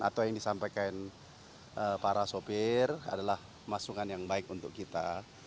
atau yang disampaikan para sopir adalah masukan yang baik untuk kita